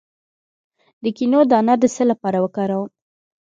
د کینو دانه د څه لپاره وکاروم؟